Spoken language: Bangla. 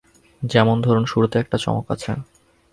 যেমন ধরুন, শুরুতেই একটা চমক আছে।